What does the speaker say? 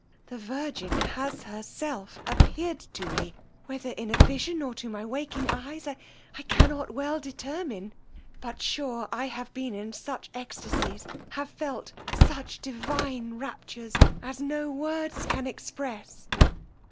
The virgin has herself appeared to me, whether in a vision, or to my waking eyes, I cannot well determine; but sure I have been in such extacies, have felt such divine raptures, as no words can express!